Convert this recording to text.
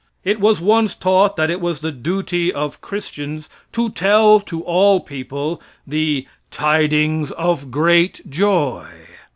It was once taught that it was the duty of Christians to tell to all people the "tidings of great joy."